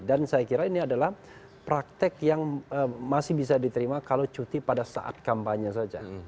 dan saya kira ini adalah praktek yang masih bisa diterima kalau cuti pada saat kampanye saja